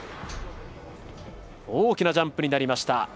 大きなジャンプになりました。